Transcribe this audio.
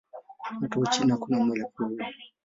Hata Uchina kuna mwelekeo huu.